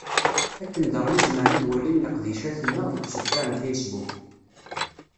Akken daɣen i zemren ad walin leqdicat-nneɣ deg usebtar n facebook.